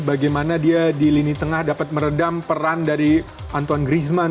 bagaimana dia di lini tengah dapat meredam peran dari anton griezmann